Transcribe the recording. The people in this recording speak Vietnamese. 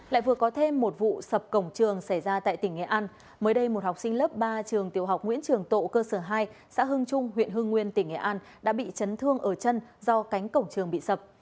lại vừa có thêm một vụ sập cổng trường xảy ra tại tỉnh nghệ an mới đây một học sinh lớp ba trường tiểu học nguyễn trường tộ cơ sở hai xã hưng trung huyện hương nguyên tỉnh nghệ an đã bị chấn thương ở chân do cánh cổng trường bị sập